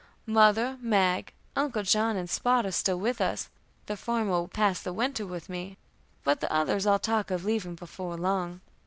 Mother, Mag, Uncle John, and Spot are still with us; the former will pass the winter with me, but the others all talk of leaving before long.